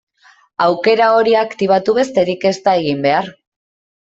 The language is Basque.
Aukera hori aktibatu besterik ez da egin behar.